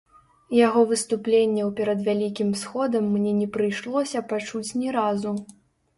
Яго выступленняў перад вялікім сходам мне не прыйшлося пачуць ні разу.